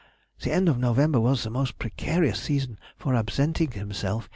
The end of November was the most precarious season for absenting himself.